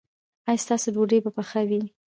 ایا ستاسو ډوډۍ به پخه وي؟